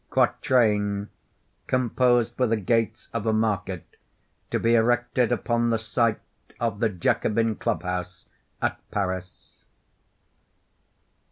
[Quatrain composed for the gates of a market to be erected upon the site of the Jacobin Club House at Paris.